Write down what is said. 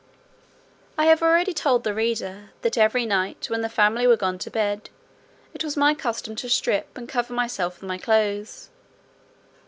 I have already told the reader, that every night, when the family were gone to bed, it was my custom to strip, and cover myself with my clothes.